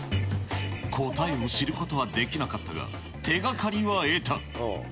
答えを知ることはできなかったが、手がかりは得た。